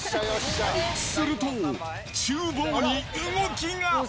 すると、ちゅう房に動きが。